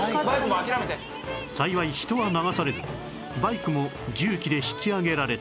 幸い人は流されずバイクも重機で引き揚げられた